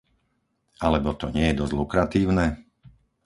Alebo to nie je dosť lukratívne?